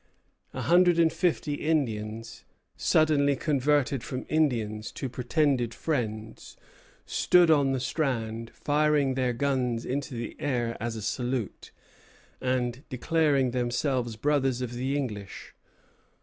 A hundred and fifty Indians, suddenly converted from enemies to pretended friends, stood on the strand, firing their guns into the air as a salute, and declaring themselves brothers of the English.